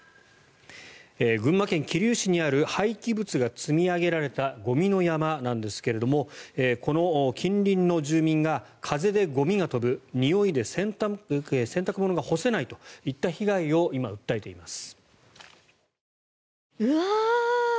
群馬県桐生市にある廃棄物が積み上げられたゴミの山なんですがこの近隣の住民が風でゴミが飛ぶにおいで洗濯物が干せないといった被害を今、訴えています。